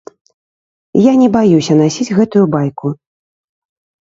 Я не баюся насіць гэтую байку.